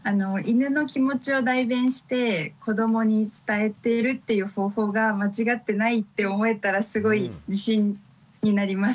犬の気持ちを代弁して子どもに伝えてるっていう方法が間違ってないって思えたらすごい自信になりますね